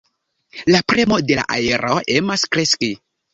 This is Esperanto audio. La premo de la aero emas kreski.